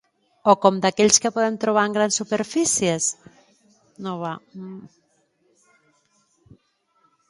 O com d'aquells que podem trobar en grans superfícies?